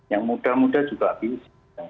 yang muda muda juga bisa